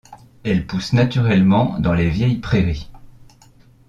Elle pousse naturellement dans les vieilles prairies.